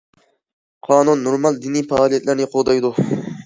قانۇن نورمال دىنىي پائالىيەتلەرنى قوغدايدۇ.